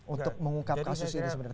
untuk mengungkap kasus ini sebenarnya